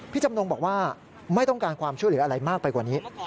จำนงบอกว่าไม่ต้องการความช่วยเหลืออะไรมากไปกว่านี้